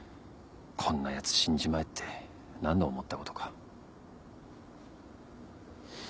こんなやつ死んじまえって何度思ったことか。